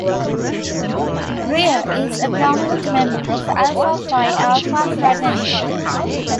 Grier is a prominent member of Alpha Phi Alpha fraternity.